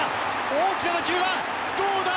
大きな打球はどうだ？